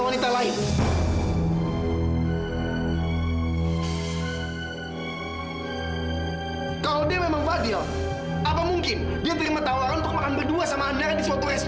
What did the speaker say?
biar aku tidur di lantai